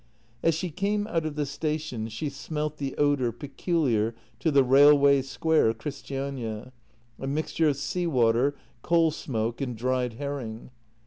As she came out of the station she smelt the odour peculiar to the railway square of Christiania — a mixture of sea water, coal smoke, and dried herring.